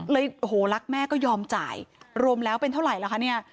โหรักแม่ก็ยอมจ่ายรวมแล้วเป็นเท่าไหร่ล่ะคะเนี่ย